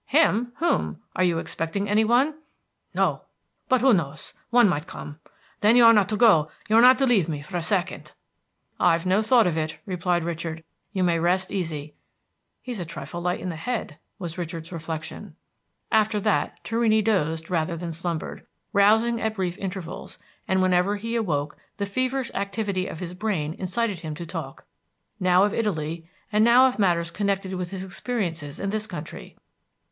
"Him? Whom? Are you expecting any one?" "No; but who knows? one might come. Then, you are not to go; you are not to leave me for a second." "I've no thought of it," replied Richard; "you may rest easy.... He's a trifle light in the head," was Richard's reflection. After that Torrini dozed rather than slumbered, rousing at brief intervals; and whenever he awoke the feverish activity of his brain incited him to talk, now of Italy, and now of matters connected with his experiences in this country.